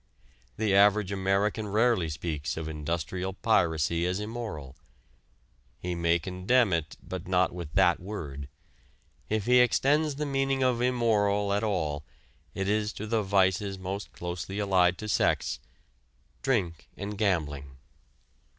The average American rarely speaks of industrial piracy as immoral. He may condemn it, but not with that word. If he extends the meaning of immoral at all, it is to the vices most closely allied to sex drink and gambling.